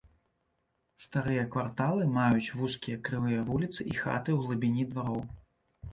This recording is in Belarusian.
Старыя кварталы маюць вузкія крывыя вуліцы і хаты ў глыбіні двароў.